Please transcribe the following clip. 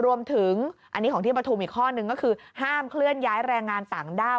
รวมถึงอันนี้ของที่ปฐุมอีกข้อนึงก็คือห้ามเคลื่อนย้ายแรงงานต่างด้าว